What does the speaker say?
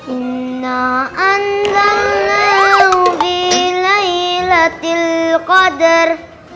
inna anzalna fi laylatul qadar